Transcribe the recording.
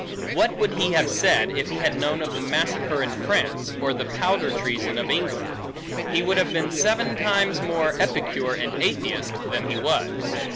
What would he have said, if he had known of the massacre in France, or the powder treason of England? He would have been seven times more Epicure, and atheist, than he was.